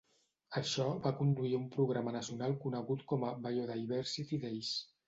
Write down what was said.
Això va conduir a un programa nacional conegut com a Biodiversity Days.